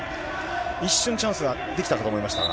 一瞬チャンスが出来たかと思いましたが。